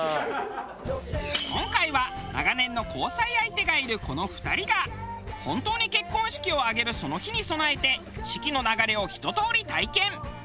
今回は長年の交際相手がいるこの２人が本当に結婚式を挙げるその日に備えて式の流れをひととおり体験。